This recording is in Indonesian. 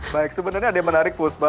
baik sebenarnya ada yang menarik puspa